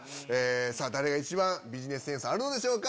さあ、誰が一番ビジネスセンスあるのでしょうか。